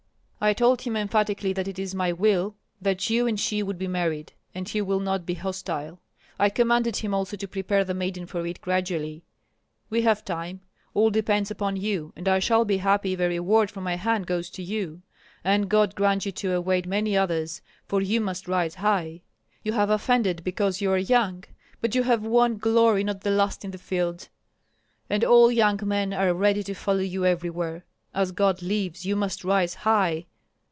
"I told him emphatically that it is my will that you and she should be married, and he will not be hostile. I commanded him also to prepare the maiden for it gradually. We have time. All depends upon you, and I shall be happy if a reward from my hand goes to you; and God grant you to await many others, for you must rise high. You have offended because you are young; but you have won glory not the last in the field, and all young men are ready to follow you everywhere. As God lives, you must rise high!